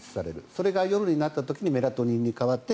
それが夜になった時にメラトニンになって